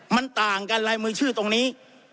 มันต่างกันลายมือชื่อตรงนี้